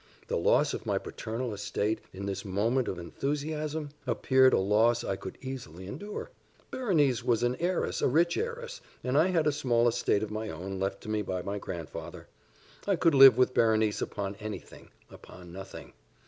The loss of my paternal estate, in this moment of enthusiasm, appeared a loss I could easily endure. Berenice was an heiress a rich heiress, and I had a small estate of my own, left to me by my grandfather. I could live with Berenice upon any thing upon nothing.